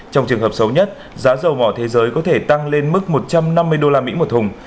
trong trường hợp xấu nhất giá dầu mỏ thế giới có thể tăng lên mức một trăm năm mươi usd một thùng